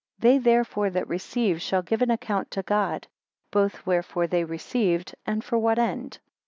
They therefore that receive shall give an account to God, both wherefore they received and for what end.